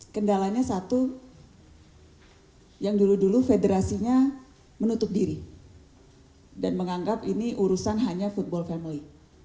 kendalanya satu yang dulu dulu federasinya menutup diri dan menganggap ini urusan hanya football family